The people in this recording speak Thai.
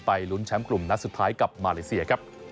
ลุ้นแชมป์กลุ่มนัดสุดท้ายกับมาเลเซียครับ